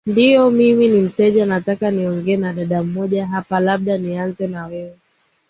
ndiyo mimi ni mteja nataka niongee na dada mmoja hapa labda nianze na wewe